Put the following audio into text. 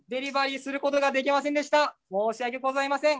申し訳ございません。